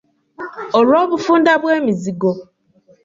Olw’obufunda bw’emizigo.